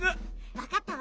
わかったわ！